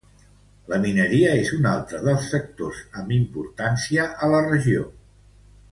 La mineria és un altre dels sectors amb importància a la regió.